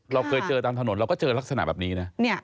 เราเคยเจอตามถนนเราก็เจอลักษณะแบบนี้นะ